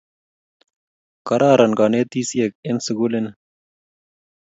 Kororon kanetisyek eng' sukuli ni